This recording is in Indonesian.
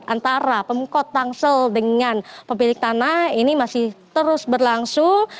antara pemukot tangsel dengan pemilik tanah ini masih terus berlangsung